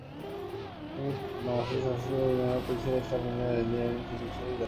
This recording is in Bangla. তিনি বাংলাদেশের সশস্ত্র বাহিনী বিভাগের প্রিন্সিপাল স্টাফ অফিসার ও ইঞ্জিনিয়ার ইন চিফ হিসেবে দায়িত্ব পালন করেন।